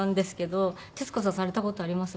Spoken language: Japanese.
徹子さんされた事あります？